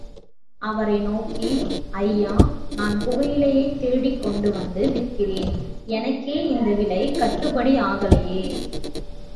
அவரை நோக்கி, ஐயா, நான், புகையிலையைத் திருடிக்கொண்டு வந்து விற்கிறேன் எனக்கே இந்த விலை கட்டுப்படி ஆகலையே?